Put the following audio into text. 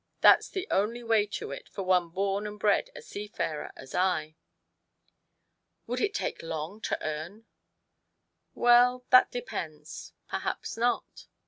That's the only way to it for one born and bred a seafarer as I." " Would it take long to earn ?"" Well, that depends ; perhaps not."